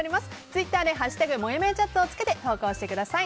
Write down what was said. ツイッターで「＃もやもやチャット」をつけて投稿してください。